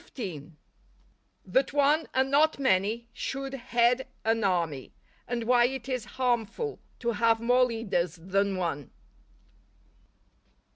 —_That one and not many should head an Army: and why it is harmful to have more Leaders than one.